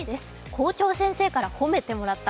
校長先生から褒めてもらった。